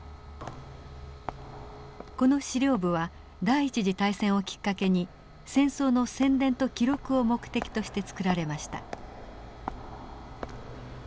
この資料部は第一次大戦をきっかけに戦争の宣伝と記録を目的として作られました。